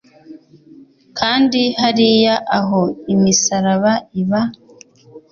kandi hariya aho imisaraba iba